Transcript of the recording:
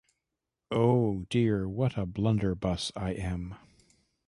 Oh, dear, what a blunderbuss I am!